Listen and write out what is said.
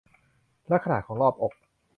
และขนาดของรอบอก